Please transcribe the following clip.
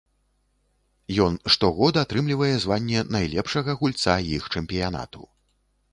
Ён штогод атрымлівае званне найлепшага гульца іх чэмпіянату.